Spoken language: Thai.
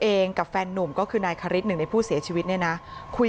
เองกับแฟนหนุ่มก็คือนายคฤษ๑ในผู้เสียชีวิตเนี่ยนะคุย